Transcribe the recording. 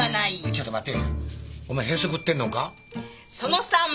ちょっと待て。